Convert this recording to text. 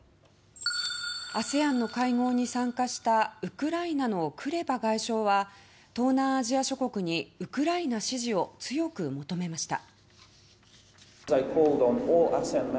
ＡＳＥＡＮの会合に参加したウクライナのクレバ外相は東南アジア諸国にウクライナ支持を強く求めました。